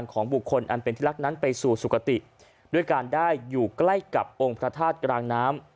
ของบุคคลอันเป็นที่รักนั้นไปสู่สุขติด้วยการได้อยู่ใกล้กับองค์พระธาตุกลางน้ำ